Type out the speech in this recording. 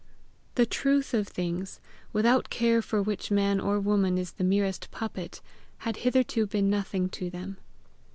The truth of things, without care for which man or woman is the merest puppet, had hitherto been nothing to them.